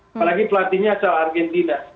apalagi pelatihnya asal argentina